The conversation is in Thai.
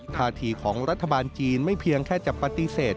ท่าทีของรัฐบาลจีนไม่เพียงแค่จะปฏิเสธ